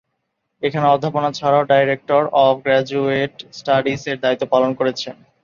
এখানে অধ্যাপনা ছাড়াও ডাইরেক্টর অফ গ্রাজুয়েট স্টাডিস-এর দায়িত্ব পালন করেছেন।